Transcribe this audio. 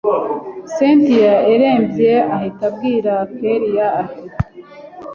cyntia erebye ahita abwira kellia ati